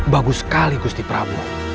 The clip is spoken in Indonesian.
bagus sekali gusti prabu